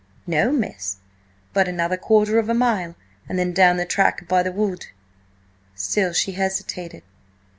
"No, miss; but another quarter of a mile, and then down the track by the wood." Still she hesitated.